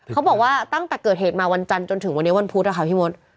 เขาบอกว่าตั้งแต่เกิดเหตุมาวันจันทร์จนถึงวันนี้วันพุธค่ะพี่มด